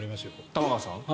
玉川さん？